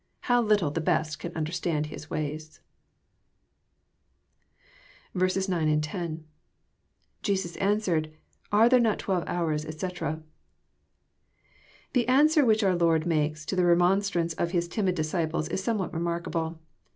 How little the best can understand His ways I 9, 10. — IJesus answeredy Are there not twelve hours, etc,"] The an swer which our Lord makes to the remonstrance of His timid disciples is somewhat remarkable.